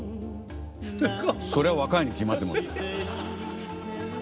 そりゃ若いに決まってる。